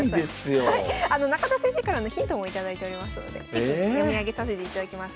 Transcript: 中田先生からのヒントも頂いておりますので適宜読み上げさせていただきます。